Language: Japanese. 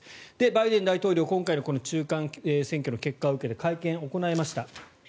バイデン大統領、今回のこの中間選挙の結果を受けて会見を行いました。